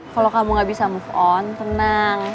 kalau kamu gak bisa move on tenang